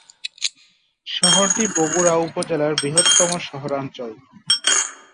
শহরটি বরুড়া উপজেলার বৃহত্তম শহরাঞ্চল।